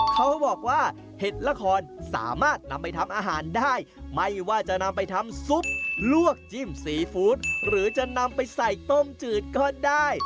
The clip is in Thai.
เขาบอกว่าเห็ดละครสามารถนำไปทำอาหารได้ไม่ว่าจะนำไปทำซุปลวกจิ้มซีฟู้ดหรือจะนำไปใส่ต้มจืดก็ได้